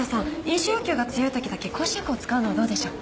飲酒欲求が強いときだけ抗酒薬を使うのはどうでしょう？